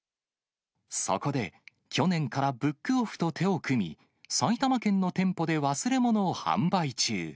そこで去年からブックオフと手を組み、埼玉県の店舗で忘れ物を販売中。